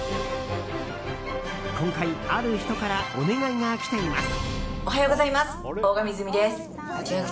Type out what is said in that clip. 今回、ある人からお願いが来ています。